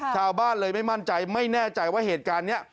ชาวบ้านเลยไม่มั่นใจไม่แน่ใจว่าเหตุการณ์นี้